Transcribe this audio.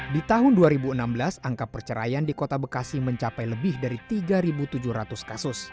di tahun dua ribu enam belas angka perceraian di kota bekasi mencapai lebih dari tiga tujuh ratus kasus